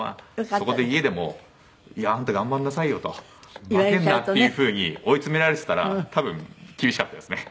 そこで家でも「いやあんた頑張んなさいよ」と「負けるな」っていう風に追い詰められてたら多分厳しかったですね。